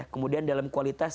kemudian dalam kualitas